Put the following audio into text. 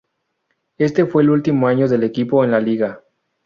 Este fue el último año del equipo en la liga.